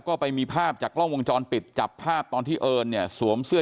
ก็ไปมีภาพจากกล้องวงจรปิดจับภาพตอนที่เอิญเนี่ยสวมเสื้อ